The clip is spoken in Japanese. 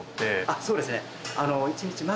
あっそうですか。